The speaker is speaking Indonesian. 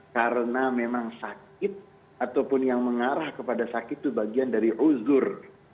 karena memang sakit ataupun yang mengarah kepada sakit itu bagian dari uzgur